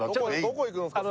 ・どこ行くんすか？